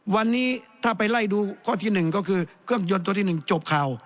วันนี้ถ้าไปไล่ดูข้อที่๑ก็คือเครื่องยนต์ตัวที่๑จบข่าว